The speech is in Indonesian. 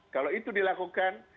kalau itu dilakukan